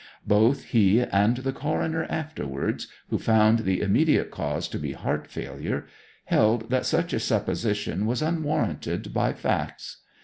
Both he and the coroner afterwards, who found the immediate cause to be heart failure, held that such a supposition was unwarranted by facts.